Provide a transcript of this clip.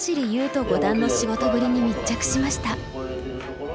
人五段の仕事ぶりに密着しました。